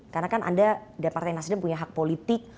karena kan anda dan partai nasdem punya hak politik